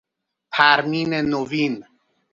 پرمین نوین